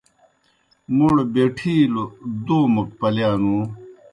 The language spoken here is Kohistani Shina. موْڑ بیٹِھیلوْ دومَک پلِیا نوُں۔